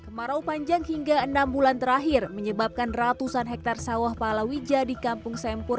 kemarau panjang hingga enam bulan terakhir menyebabkan ratusan hektare sawah palawija di kampung sempur